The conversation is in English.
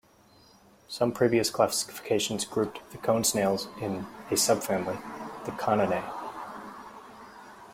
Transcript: Some previous classifications grouped the cone snails in a subfamily, the Coninae.